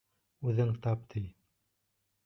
Үҙең тап, ти.